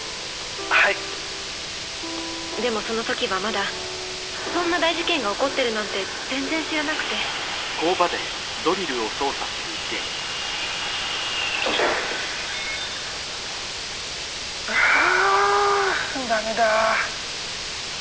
でもその時はまだそんな大事件が起こってるなんて全然知らなくてあぁダメだぁ。